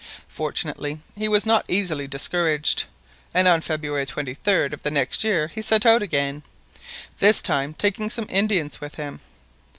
Fortunately he was not easily discouraged, and on February 23d of the next year he set out again, this time taking some Indians with him.